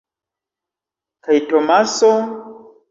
Kaj Tomaso?